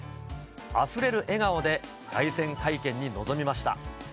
あふれる笑顔で凱旋会見に臨みました。